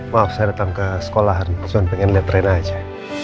maaf saya datang ke sekolah cuma pengen liat rana aja